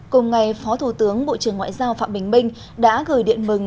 cùng ngày phó thủ tướng bộ trưởng ngoại giao phạm bình minh đã gửi điện mừng